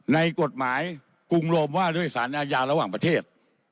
ในกฎหมายกรุงโรมว่าด้วยสารอาญาระหว่างประเทศ